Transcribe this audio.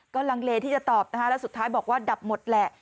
ก็ลังเลที่จะตอบนะคะแล้วสุดท้ายบอกว่าดับหมดแหละ